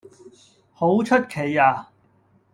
好出奇呀